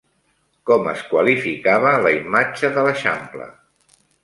Com es qualificava la imatge de l'eixample?